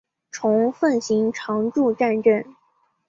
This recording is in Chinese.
虫奉行常住战阵！